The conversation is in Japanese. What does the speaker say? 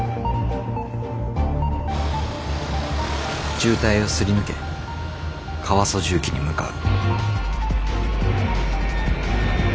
渋滞をすり抜けカワソ什器に向かう。